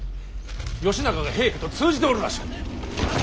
義仲が平家と通じておるらしい。